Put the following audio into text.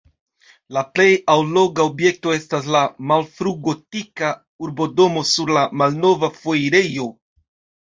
La plej alloga objekto estas la malfrugotika urbodomo sur la Malnova Foirejo.